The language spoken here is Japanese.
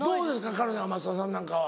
彼女は松田さんなんかは。